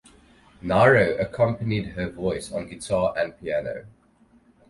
Nyro accompanied her voice on guitar and piano.